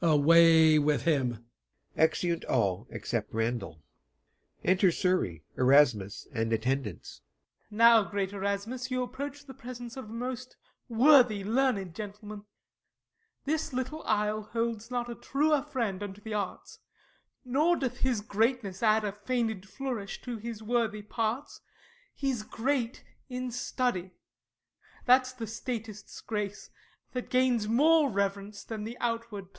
Away with him. [Exeunt all except Randall.] [Enter Surrey, Erasmus, and Attendants.] SURREY. Now, great Erasmus, you approach the presence Of a most worthy learned gentleman: This little isle holds not a truer friend Unto the arts; nor doth his greatness add A feigned flourish to his worthy parts; He's great in study; that's the statist's grace, That gains more reverence than the outward place.